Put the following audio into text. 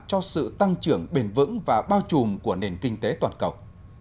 cho sự tăng trưởng bền vững và bao trùm của nền kinh tế toàn cầu